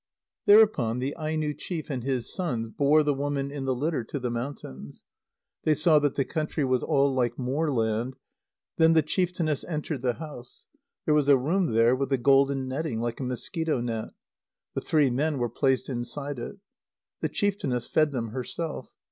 Thereupon the Aino chief and his sons bore the woman in the litter to the mountains. They saw that the country was all like moorland. Then the chieftainess entered the house. There was a room there with a golden netting, like a mosquito net. The three men were placed inside it. The chieftainess fed them herself.